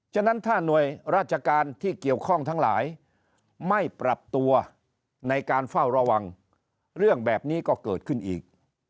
ฉะนั้นถ้าหน่วยราชการที่เกี่ยวข้องทั้งหลายไม่ปรับตัวในการเฝ้าระวังเรื่องแบบนี้ก็เกิดขึ้นอีก